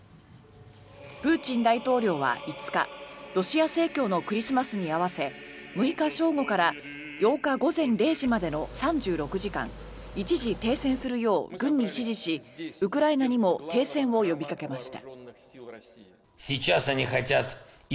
プーチン大統領は５日ロシア正教のクリスマスに合わせ６日正午から８日午前０時までの３６時間一時停戦するよう軍に指示しウクライナにも停戦を呼びかけました。